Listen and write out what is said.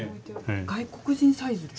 外国人サイズですか？